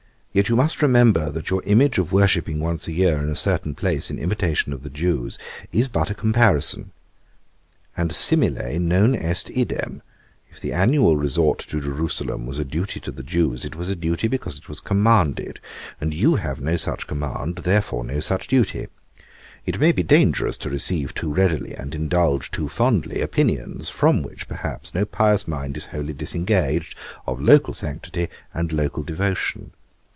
Yet you must remember, that your image of worshipping once a year in a certain place, in imitation of the Jews, is but a comparison; and simile non est idem; if the annual resort to Jerusalem was a duty to the Jews, it was a duty because it was commanded; and you have no such command, therefore no such duty. It may be dangerous to receive too readily, and indulge too fondly, opinions, from which, perhaps, no pious mind is wholly disengaged, of local sanctity and local devotion.